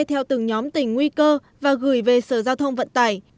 theo từng nhóm tỉnh nguy cơ và gửi về sở giao thông vận tải